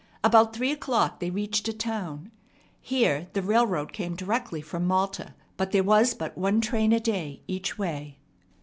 About three o'clock they reached a town. Here the railroad came directly from Malta, but there was but one train a day each way.